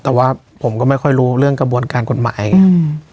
แต่ว่าผมก็ไม่ค่อยรู้เรื่องกระบวนการกฎหมายไง